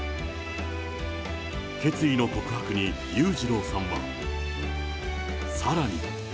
決意の告白に、裕次郎さんは。さらに。